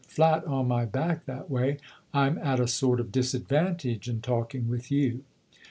"Flat on my back, that way, I'm at a sort of disadvantage in talking with you."